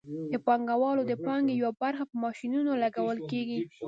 د پانګوال د پانګې یوه برخه په ماشینونو لګول کېږي